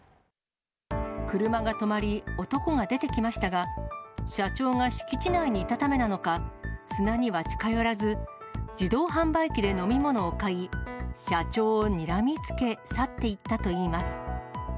車が止まり、男が出てきましたが、社長が敷地内にいたためなのか、砂には近寄らず、自動販売機で飲み物を買い、社長をにらみつけ、去っていったといいます。